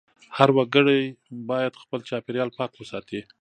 هر وګړی باید خپل چاپېریال پاک وساتي.